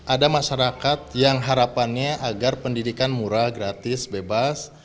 ada masyarakat yang harapannya agar pendidikan murah gratis bebas